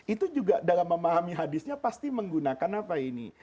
itu juga dalam memahami hadisnya pasti menggunakan apa ini